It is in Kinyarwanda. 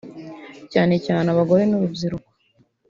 cyane cyane abagore n’urubyiruko